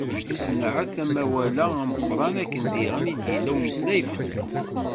Yessenɛet amawal-a ameqqran, akken diɣen i d-yella umeslay fell-as.